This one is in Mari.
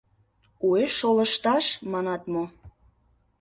Уэш шолышташ, манат мо?